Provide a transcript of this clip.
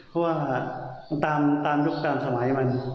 เพราะว่าก็ตามครุกลับสมัยมัน